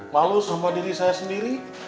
malu sama diri saya sendiri